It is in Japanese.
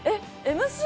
ＭＣ？